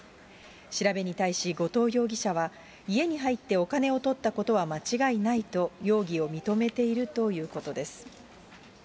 調べに対し、後藤容疑者は、家に入ってお金を取ったことは間違いないと容疑を認めているということです。